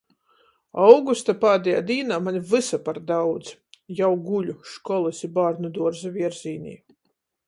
Augusta pādejā dīnā maņ vysa par daudz. Jau guļu školys i bārnuduorza vierzīnī.